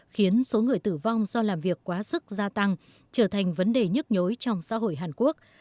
khiến số người tử vong do làm việc quá sức gia tăng trở thành vấn đề nhức nhối trong xã hội hàn quốc